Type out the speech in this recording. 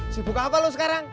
sibuk apa lo sekarang